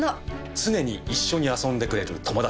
常に一緒に遊んでくれる友達。